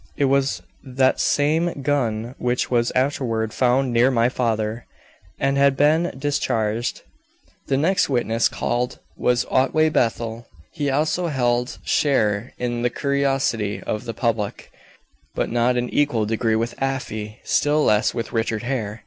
It was that same gun which was afterward found near my father, and had been discharged." The next witness called was Otway Bethel. He also held share in the curiosity of the public, but not in equal degree with Afy, still less with Richard Hare.